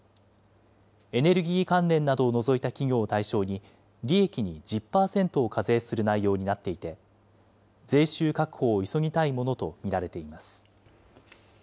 エネルギー関連などを除いた企業を対象に、利益に１０％を課税する内容になっていて、税収確保を急ぎたいものと見られています。